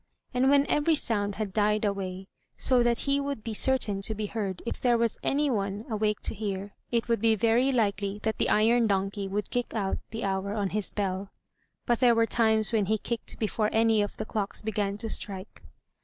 And when every sound had died away, so that he would be certain to be heard if there was any one awake to hear, it would be very likely that the iron donkey would kick out the hour on his bell. But there were times when he kicked before any of the clocks began to strike.